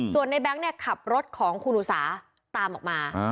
ส่วนในแบงค์เนี่ยขับรถของคุณอุสาตามออกมา